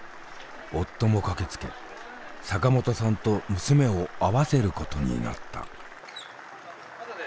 夫も駆けつけ坂本さんと娘を会わせることになった。